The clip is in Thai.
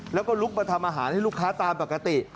แล้วก็ลุกมาทำอาหารให้ลูกค้าตามปกติ